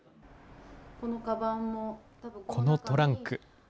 このトランク。